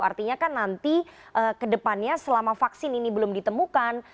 artinya kan nanti kedepannya selama vaksin ini belum ditemukan